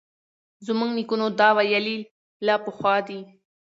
زموږ نیکونو دا ویلي له پخوا دي